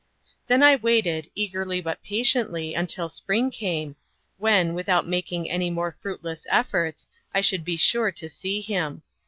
Then I waited, eagerly but patiently, until spring came, when, without making any more fruitless efforts, I should be sure to see him.